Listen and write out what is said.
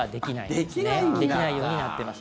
できないようになってます。